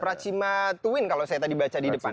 pracima twin kalau saya tadi baca di depan